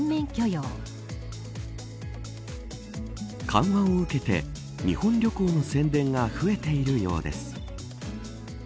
緩和を受けて日本旅行の宣伝が増えているようです。